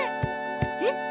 えっ？